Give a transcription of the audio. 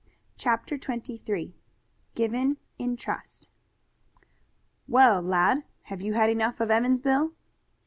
CHAPTER XXIII GIVEN IN TRUST "Well, lad, have you had enough of Emmonsville?"